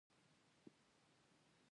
چې دې پښتنو د خلاصونو يوازينۍ لاره